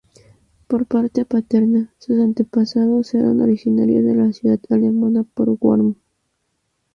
Por parte paterna sus antepasados eran originarios de la ciudad alemana de Worms.